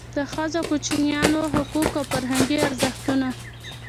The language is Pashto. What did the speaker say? د ښځو او کوچنیانو حقوق او فرهنګي ارزښتونه.